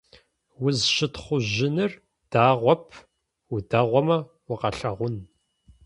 Узщытхъужьыныр дэгъоп, удэгъумэ укъалъэгъун.